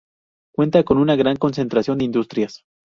Cuenta con una gran concentración de industrias.